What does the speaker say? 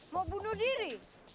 mau bunuh diri